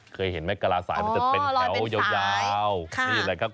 เคยเห็นไหมกระลาสายมันจะเป็นแถวยาวอ๋อลอยเป็นสายค่ะนี่แหละครับ